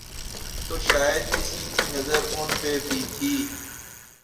تو شاید کسی کی نظر ان پہ بھی تھی۔